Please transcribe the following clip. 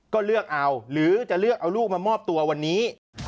ก็เลือกเอาหรือจะเลือกเอาลูกมามอบตัววันนี้